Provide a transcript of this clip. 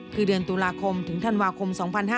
คือเดือนตุลาคมถึงธันวาคม๒๕๕๙